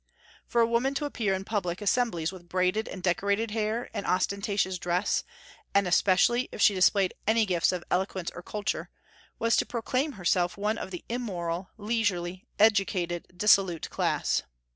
For a woman to appear in public assemblies with braided and decorated hair and ostentatious dress, and especially if she displayed any gifts of eloquence or culture, was to proclaim herself one of the immoral, leisurely, educated, dissolute class.